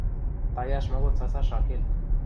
Таяш моло цацаш ак кел.